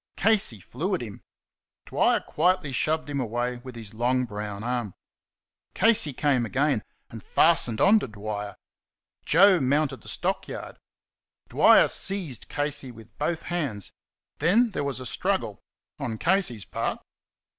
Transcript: Casey flew at him. Dwyer quietly shoved him away with his long, brown arm. Casey came again and fastened on to Dwyer. Joe mounted the stockyard. Dwyer seized Casey with both hands; then there was a struggle on Casey's part.